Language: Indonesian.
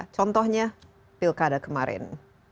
contohnya pilkada kemarin